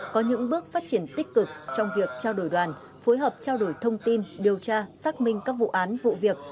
có những bước phát triển tích cực trong việc trao đổi đoàn phối hợp trao đổi thông tin điều tra xác minh các vụ án vụ việc